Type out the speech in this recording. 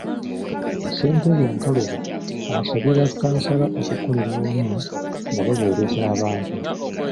Ssentebe Nkalubo asabye bakkansala okukolera awamu nga baweereza abantu.